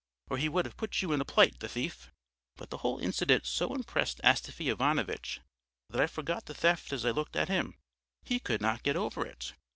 Or he would have put you in a plight, the thief!" But the whole incident had so impressed Astafy Ivanovitch that I forgot the theft as I looked at him. He could not get over it.